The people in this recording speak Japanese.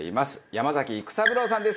山崎育三郎さんです。